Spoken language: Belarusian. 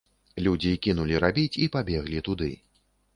Людзі кінулі рабіць і пабеглі туды.